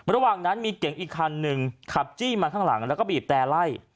ระหว่างนั้นมีเก่งอีกคันหนึ่งขับจี้มาข้างหลังแล้วก็บีบแต่ไล่